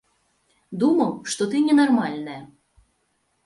Думаў, што ты ненармальная.